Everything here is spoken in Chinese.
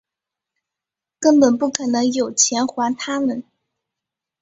根本不可能有钱还他们